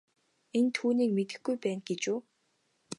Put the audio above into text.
Энэ түүнийг мэдэхгүй байна гэж үү.